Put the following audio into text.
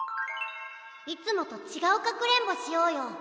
いつもとちがうかくれんぼしようよ！